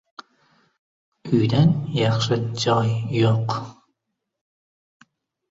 • Uydan yaxshi joy yo‘q.